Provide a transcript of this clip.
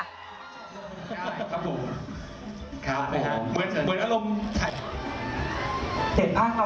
เหมือนอารมณ์ถ่าย